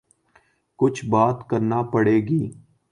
کچھ بات کرنا پڑے گی۔